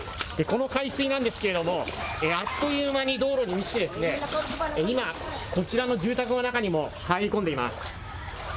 この海水なんですけれども、あっという間に道路に満ちて、今、こちらの住宅の中にも入り込んでいます。